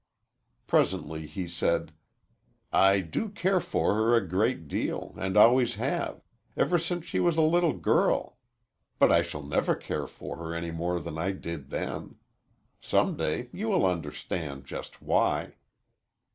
Presently he said: "I do care for her a great deal, and always have ever since she was a little girl. But I shall never care for her any more than I did then. Some day you will understand just why."